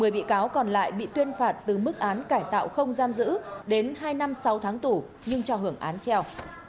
một mươi bị cáo còn lại bị tuyên phạt từ mức án cải tạo không giam giữ đến hai năm sáu tháng tù nhưng cho hưởng án treo